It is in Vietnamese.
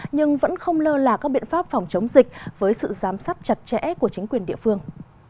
nhưng vẫn không lơ là các biện pháp phòng chống dịch với sự giám sát chặt chẽ của chính quyền địa phương